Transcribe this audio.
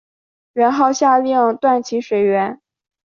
元昊下令断其水源。